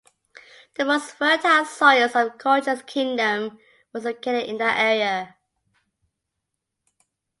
The most fertile soils of Colchis Kingdom was located in that area.